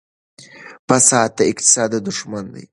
فساد د اقتصاد دښمن دی.